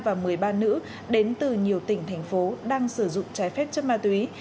và một mươi ba nữ đến từ nhiều tỉnh thành phố đang sử dụng trái phép chất ma túy